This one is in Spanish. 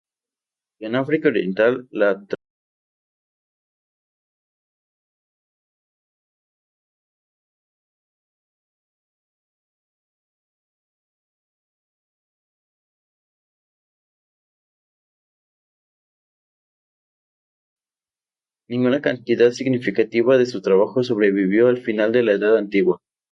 Ninguna cantidad significativa de su trabajo sobrevivió al final de la Edad Antigua.